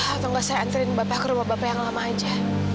apa nggak saya anterin bapak ke rumah bapak yang lama aja